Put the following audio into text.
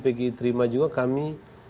pgit terima juga kami